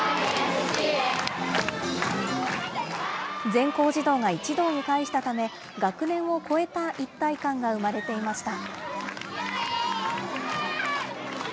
全校児童が一堂に会したため、学年を超えた一体感が生まれていました。